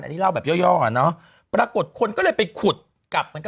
อันนี้เล่าแบบย่ออ่ะเนาะปรากฏคนก็เลยไปขุดกลับมา